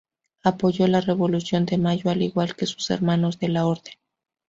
Apoyó la Revolución de Mayo al igual que sus hermanos de la orden.